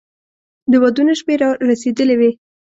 د ودونو شپې را رسېدلې وې.